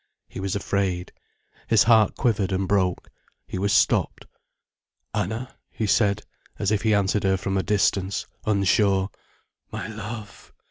He was afraid. His heart quivered and broke. He was stopped. "Anna," he said, as if he answered her from a distance, unsure. "My love."